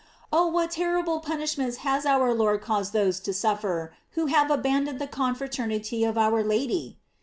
Oh, what terrible punishments has our Lord caused those to suffer who have abandoned the confraternity of our Lady